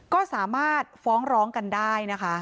ก็สามารถฟ้องร้องกันได้นะคะ